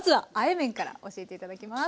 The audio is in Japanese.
麺から教えて頂きます。